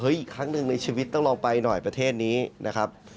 อีกครั้งหนึ่งในชีวิตต้องลองไปหน่อยประเทศนี้นะครับ